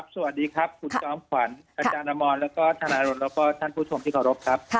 สวัสดีครับคุณซ้อมขวัญอาจารย์อำรและธนารกษ์และท่านผู้ชมที่ขอรบครับ